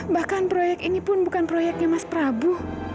bahkan proyek ini pun bukan proyeknya mas prabu